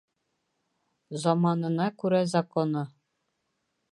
Заманына күрә законы.